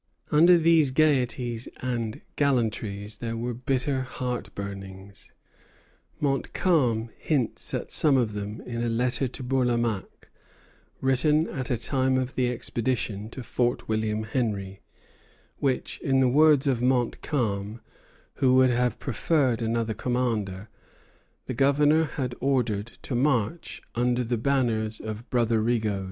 Under these gayeties and gallantries there were bitter heart burnings. Montcalm hints at some of them in a letter to Bourlamaque, written at the time of the expedition to Fort William Henry, which, in the words of Montcalm, who would have preferred another commander, the Governor had ordered to march "under the banners of brother Rigaud."